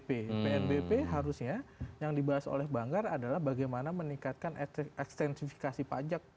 pnbp harusnya yang dibahas oleh banggar adalah bagaimana meningkatkan ekstensifikasi pajak